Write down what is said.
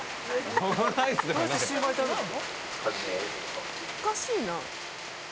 おかしいな。